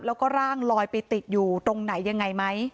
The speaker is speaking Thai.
แล้วก็ร่างลอยไปติดอยู่ตรงไหนยังไงไหม